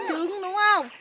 có trứng đúng không